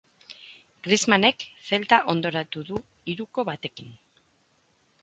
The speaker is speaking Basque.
Griezmannek Celta hondoratu du hiruko batekin.